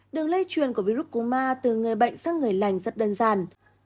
đường lây truyền của virus cú ma từ người bệnh sang người lành rất đơn giản